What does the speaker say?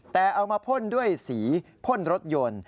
แต่เอามาพ่นด้วยสีพ่นรถยนต์